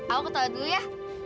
awal drone dulu ya